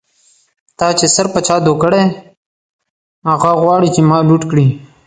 تا چی سر په چا دو کړۍ، هغه غواړی چی ما لوټ کړی